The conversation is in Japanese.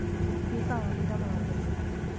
みかんは果物です